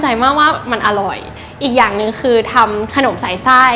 อีกอย่างนึงคือทำขนมใส